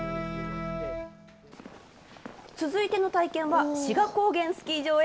続いての体験は、志賀高原スキー場へ。